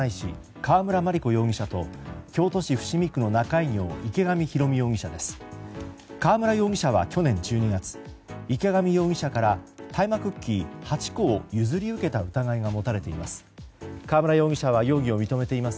川村容疑者は去年１２月池上容疑者から大麻クッキー８個を譲り受けた疑いが持たれています。